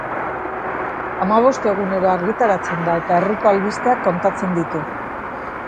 Hamabost egunero argitaratzen da eta herriko albisteak kontatzen ditu.